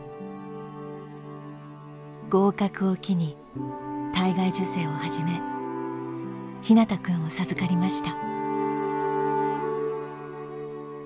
合格を機に体外受精を始め陽向くんを授かりました。